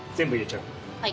はい。